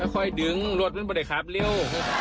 ค่อยดึงรถมันไม่ได้ขับเร็ว